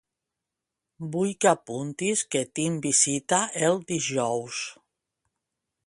Vull que apuntis que tinc visita el dijous.